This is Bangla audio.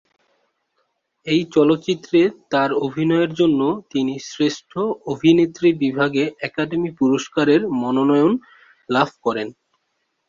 এই চলচ্চিত্রে তার অভিনয়ের জন্য তিনি শ্রেষ্ঠ অভিনেত্রী বিভাগে একাডেমি পুরস্কারের মনোনয়ন লাভ করেন।